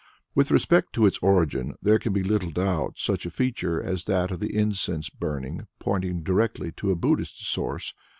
With respect to its origin, there can be very little doubt, such a feature as that of the incense burning pointing directly to a Buddhist source.